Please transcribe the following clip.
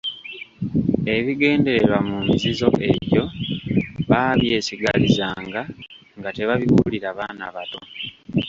Ebigendererwa mu mizizo egyo baabyesigalizanga nga tebabibuulira baana bato.